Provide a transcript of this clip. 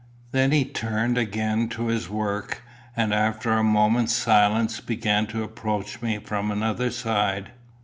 Then he turned again to his work, and after a moment's silence began to approach me from another side.